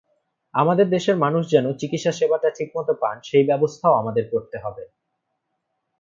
আমাদের দেশের মানুষ যেন চিকিৎসাসেবাটা ঠিকমতো পান, সেই ব্যবস্থাও আমাদের করতে হবে।